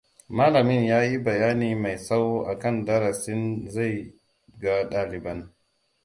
Malamin ya yi bayani mai tsawo akan darasin zai ga ɗaliban.